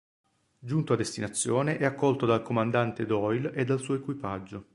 Giunto a destinazione è accolto dal comandante Doyle e dal suo equipaggio.